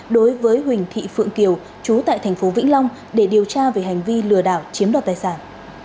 đối với huỳnh thị phượng kiều chú tại thành phố vĩnh long để điều tra về hành vi lừa đảo chiếm đoạt tài sản